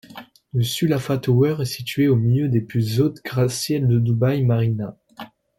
La Sulafa Tower est située au milieu des plus hauts gratte-ciels de Dubaï Marina.